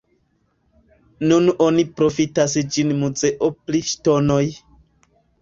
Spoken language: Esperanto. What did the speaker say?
Nun oni profitas ĝin muzeo pri ŝtonoj.